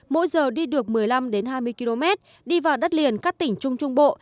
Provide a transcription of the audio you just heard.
mỗi giờ đi được một mươi năm hai mươi km đi vào đất liền các tỉnh trung trung bộ